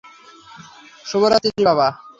শুভরাত্রি, বাবা।